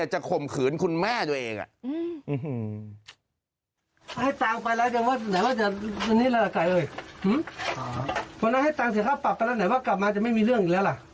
จะข่มขืนคุณแม่ตัวเอง